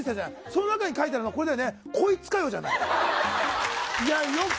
その中に書いてあるのはこいつかよじゃない。